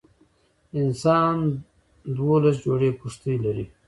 انسان دولس جوړي پښتۍ لري.